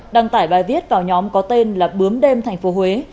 đăng tải bài viết vào nhóm có tên là bướm đêm thành phố huế